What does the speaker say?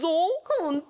ほんと？